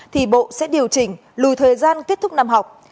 thì bộ sẽ điều chỉnh lùi thời gian kết thúc năm học